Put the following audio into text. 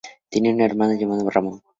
Tenía un hermano, llamado Ramón.